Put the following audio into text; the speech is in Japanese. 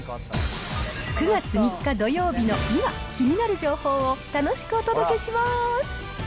９月３日土曜日の今、気になる情報を楽しくお届けします。